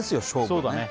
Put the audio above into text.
そうだね